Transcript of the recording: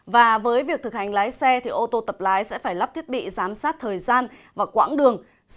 và với việc thực hành lái xe thì ô tô tập lái sẽ phải lắp thiết bị giám sát thời gian và quãng đường